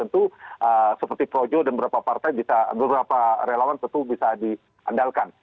tentu seperti projo dan beberapa partai bisa beberapa relawan tentu bisa diandalkan